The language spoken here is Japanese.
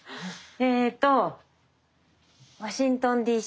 えとワシントンＤ．Ｃ．。